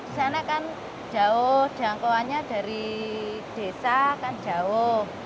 di sana kan jauh jangkauannya dari desa kan jauh